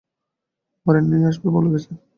Warrant নিয়ে আসবে বলে গেছে।